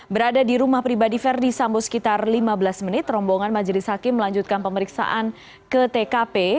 berada di rumah pribadi verdi sambo sekitar lima belas menit rombongan majelis hakim melanjutkan pemeriksaan ke tkp